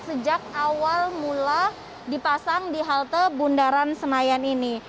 sejak awal mula dipasang di halte bundaran senayan ini